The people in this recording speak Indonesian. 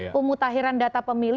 pemutahiran data pemilih